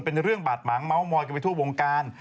เป็นเรื่องบาดหมางเม้ามอยกันไปทั่ววงการ